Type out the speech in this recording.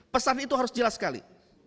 pesan itu harus jelas sekali